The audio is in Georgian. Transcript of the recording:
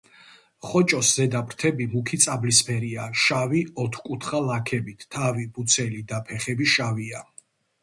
ხოჭოს ზედა ფრთები მუქი წაბლისფერია შავი ოთხკუთხა ლაქებით, თავი, მუცელი და ფეხები შავია.